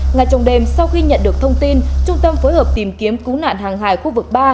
ngay trong đêm sau khi nhận được thông tin trung tâm phối hợp tìm kiếm cứu nạn hàng hải khu vực ba